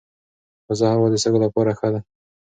تازه هوا د سږو لپاره ښه ده.